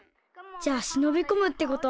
じゃあしのびこむってこと？